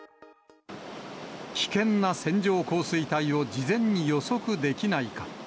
危険な線状降水帯を事前に予測できないか。